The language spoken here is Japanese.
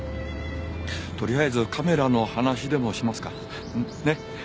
とりあえずカメラの話でもしますか。ね？